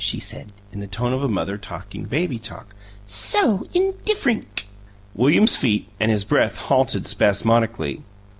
she said, in the tone of a mother talking baby talk. "SO indifferink!" William's feet and his breath halted spasmodically.